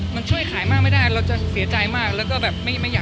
มันช่วยขายมากไม่ได้เราจะเสียใจมากแล้วก็แบบไม่อยาก